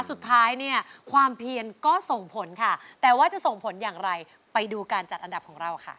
สุดท้ายเนี่ยความเพียนก็ส่งผลค่ะแต่ว่าจะส่งผลอย่างไรไปดูการจัดอันดับของเราค่ะ